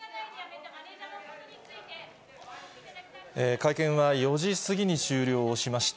会見は４時過ぎに終了しました。